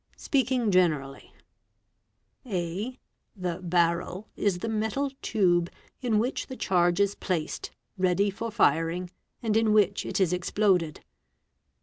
Spealkiny generall y— .. (a) The barrel is the metal tube in which the charge is place ready*for firing and in which it is exploded.